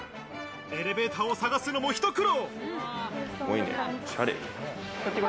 エレベーターを探すのもひと苦労。